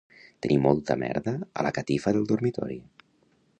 Tenir molta merda a la catifa del dormitori.